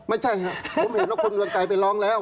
ไม่ใช่ครับผมเห็นว่าคุณเรืองไกรไปร้องแล้ว